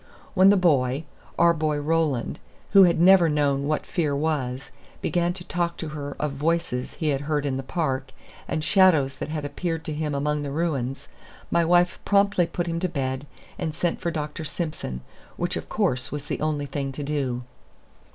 When the boy our boy Roland, who had never known what fear was began to talk to her of voices he had heard in the park, and shadows that had appeared to him among the ruins, my wife promptly put him to bed and sent for Dr. Simson, which, of course, was the only thing to do.